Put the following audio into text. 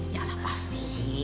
ya lah pasti